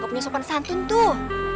punya sopan santun tuh